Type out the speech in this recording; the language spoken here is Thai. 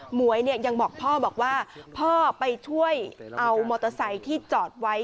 หวยเนี่ยยังบอกพ่อบอกว่าพ่อไปช่วยเอามอเตอร์ไซค์ที่จอดไว้